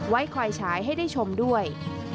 ไว้คอยฉายให้ได้ชมด้วย